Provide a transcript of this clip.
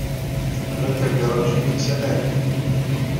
Rrant agaṛaj-nni d tanarit.